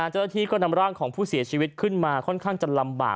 เจ้าหน้าที่ก็นำร่างของผู้เสียชีวิตขึ้นมาค่อนข้างจะลำบาก